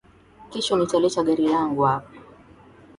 Kesho nitaleta gari langu hapa